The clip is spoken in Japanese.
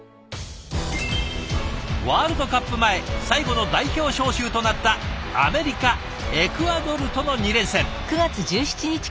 ワールドカップ前最後の代表招集となったアメリカエクアドルとの２連戦。